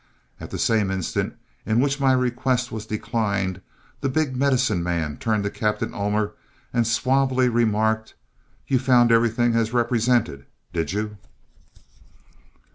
At the same instant in which my request was declined, the big medicine man turned to Captain Ullmer and suavely remarked, "You found everything as represented, did you?"